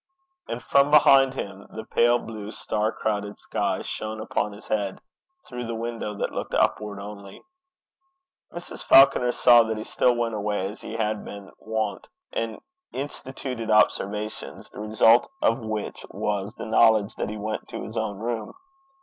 And from behind him, the pale blue, star crowded sky shone upon his head, through the window that looked upwards only. Mrs. Falconer saw that he still went away as he had been wont, and instituted observations, the result of which was the knowledge that he went to his own room.